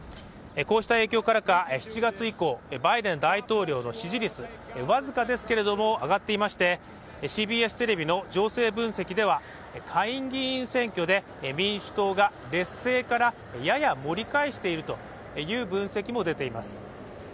こうした影響からか７月以降、バイデン大統領の支持率、僅かですが上がっていてＣＢＳテレビの情勢分析では下院議員選挙で民主党が劣勢から、やや盛り返しているという分析も出ています。